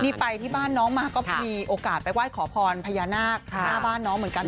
นี่ไปที่บ้านน้องมาก็มีโอกาสไปไหว้ขอพรพญานาคหน้าบ้านน้องเหมือนกัน